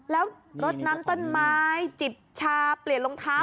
แล้วรดน้ำต้นไม้จิบชาเปลี่ยนรองเท้า